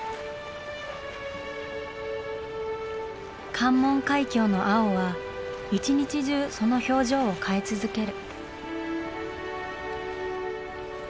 関門海峡の青は一日中その表情を変え続ける。